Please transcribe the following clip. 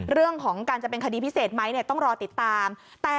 เรื่องของการจะเป็นคดีพิเศษไหมต้องรอติดตาม